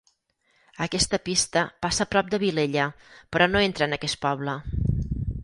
Aquesta pista passa a prop de Vilella, però no entra en aquest poble.